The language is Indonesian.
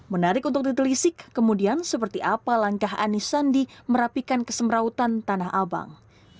menarik untuk ditelisik kemudian seperti apa langkah anies sandi merapikan kesemrautan tanah abang